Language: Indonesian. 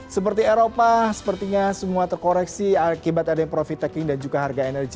seperti eropa sepertinya semua terkoreksi akibat adanya profit taking dan juga harga energi